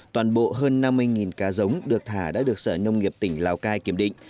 toàn bộ hơn năm mươi cá giống được thả đã được sở nông nghiệp tỉnh lào cai kiểm định